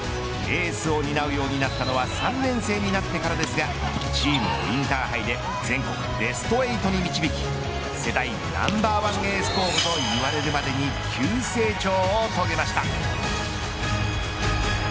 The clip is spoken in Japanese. エースを担うようになったのは３年生になってからですがチームをインターハイで全国ベスト８に導き世代ナンバーワンエース候補といわれるまでに急成長を遂げました。